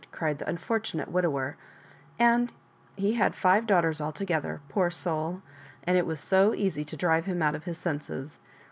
cried the unfortunate widower; and he had five daughters altogether, poor soul I— and it was so easy to drive him out of his senses.